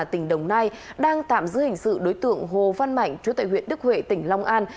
tỉnh đồng nai đang tạm giữ hình sự đối tượng hồ văn mạnh chú tại huyện đức huệ tỉnh long an